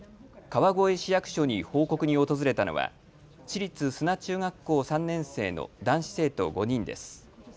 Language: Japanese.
川越市役所に報告に訪れたのは市立砂中学校３年生の男子生徒５人です。